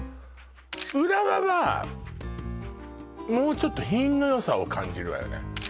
浦和はもうちょっと品のよさを感じるわよね